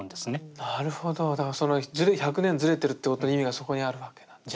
だからその１００年ずれてるってことの意味がそこにあるわけなんですね。